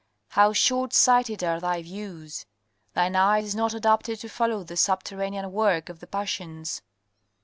How short sighted are thy views ! Thine eye is not adapted to follow the subterranean work of the passions.